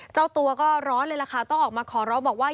เจ้าตัวก็ร้อนเลยล่ะค่ะต้องออกมาขอร้องบอกว่า